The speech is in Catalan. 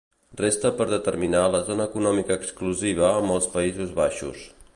Resta per determinar la zona econòmica exclusiva amb els Països Baixos.